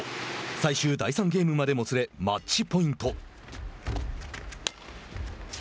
最終第３ゲームまでもつれマッチポイント。